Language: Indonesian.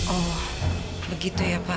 oh begitu ya pak